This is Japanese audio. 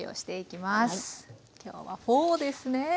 今日はフォーですね。